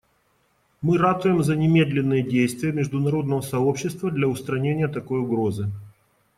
Мы ратуем за немедленные действия международного сообщества для устранения такой угрозы.